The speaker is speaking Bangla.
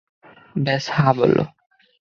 ব্যস হ্যাঁ বলো।